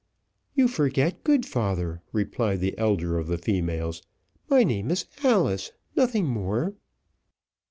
"You forget, good father," replied the elder of the females, "my name is Alice nothing more."